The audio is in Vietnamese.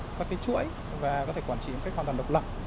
các dữ liệu có thể chuỗi và có thể quản trị một cách hoàn toàn độc lập